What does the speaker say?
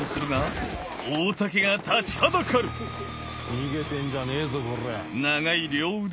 逃げてんじゃねえぞこら。